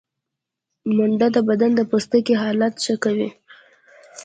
منډه د بدن د پوستکي حالت ښه کوي